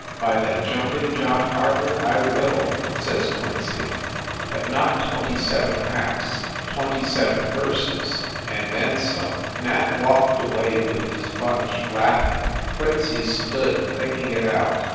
"By the jumping John Harvard, I will!" says WYCHERLEY COURT 247 Quincy. "But not twenty seven hacks twenty seven hearses and then some!" Nat walked away with his bunch, laughing; Quincy stood thinking it out.